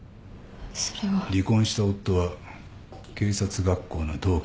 離婚した夫は警察学校の同期だな。